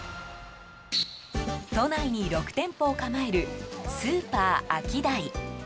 都内に６店舗を構えるスーパーアキダイ。